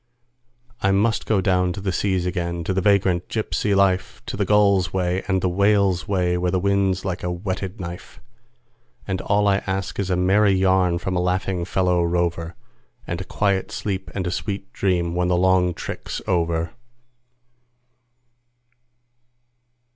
I must go down to the seas again, to the vagrant gypsy life, To the gull's way and the whale's way, where the wind's like a whetted knife; And all I ask is a merry yarn from a laughing fellow rover, And quiet sleep and a sweet dream when the long trick's over.